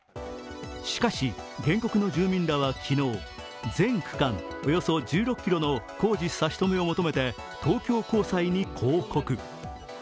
しかし原告の住民らは昨日全区間およそ１６ｋｍの工事差し止めを求めて東京高裁に抗告。